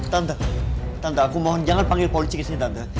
tante tante aku mohon jangan panggil polisi kesini tante